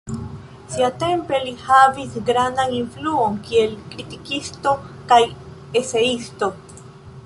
Siatempe li havis grandan influon kiel kritikisto kaj eseisto.